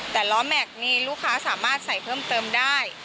แต่ล้อแม็กซ์นี่ลูกค้าสามารถใส่เพิ่มเติมได้